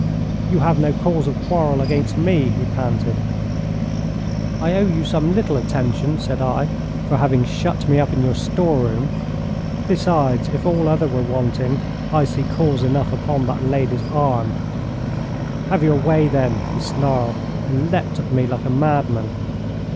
'You have no cause of quarrel against me,' he panted. 'I owe you some little attention,' said I, 'for having shut me up in your store room. Besides, if all other were wanting, I see cause enough upon that lady's arm.' 'Have your way, then!' he snarled, and leaped at me like a madman.